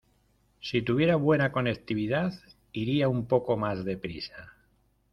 Si tuviera buena conectividad iría un poco más deprisa.